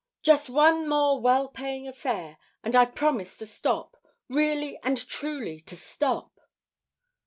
just one more well paying affair, and I promise to stop; really and truly to stop."